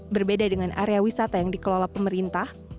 berbeda dengan area wisata yang dikelola pemerintah